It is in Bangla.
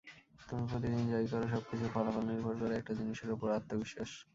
তুমি প্রতিদিন যা-ই করো, সবকিছুর ফলাফল নির্ভর করে একটা জিনিসের ওপর—আত্মবিশ্বাস।